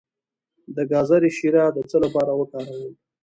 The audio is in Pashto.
د ګازرې شیره د څه لپاره وکاروم؟